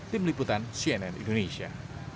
tim liputan cnn indonesia